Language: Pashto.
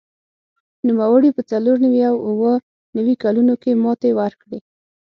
نوموړي په څلور نوي او اووه نوي کلونو کې ماتې ورکړې